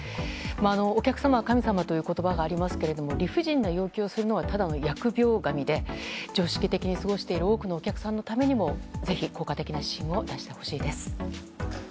お客様は神様という言葉がありますが理不尽な要求をするのはただの疫病神で常識的に過ごしている多くのお客さんのためにもぜひ効果的な指針を出してほしいです。